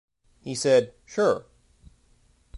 He said, 'Sure.